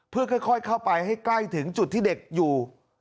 เพื่อค่อยเข้าไปให้ใกล้ถึงจุดที่เด็กอยู่